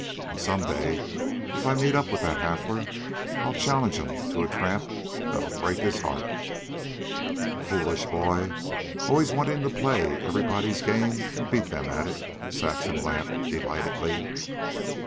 An' some day, if I meet up with that Hafler, I'll challenge'm to a tramp that'll break his heart." "Foolish boy, always wanting to play everybody's game and beat them at it," Saxon laughed delightedly.